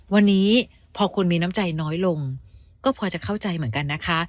วันนี้พอคุณมีน้ำใจน้อยลงก็พอจะเข้าใจเหมือนกันนะคะ